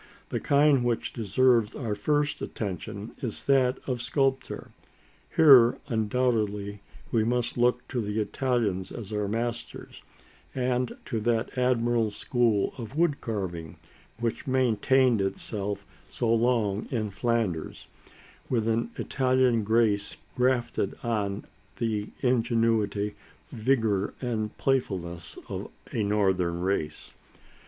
The kind which deserves our first attention is that of sculpture. Here, undoubtedly, we must look to the Italians as our masters, and to that admirable school of wood carving which maintained itself so long in Flanders, with an Italian grace grafted on the ingenuity, vigour, and playfulness of a northern race.